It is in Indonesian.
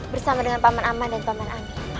bersama dengan paman aman dan paman amin